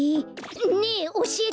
ねえおしえて！